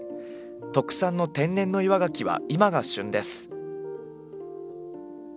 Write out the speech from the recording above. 特産の天然の岩ガキは今が旬です。